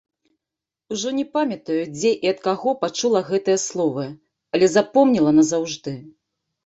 Ужо не памятаю, дзе і ад каго пачула гэтыя словы, але запомніла назаўжды.